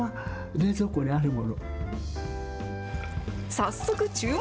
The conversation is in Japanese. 早速、注目。